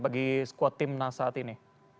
bagi squad tim nasa saat ini